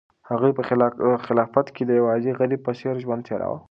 هغوی په خلافت کې د یو عادي غریب په څېر ژوند تېراوه.